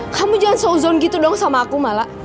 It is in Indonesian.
kamu jangan seuzon gitu dong sama aku malah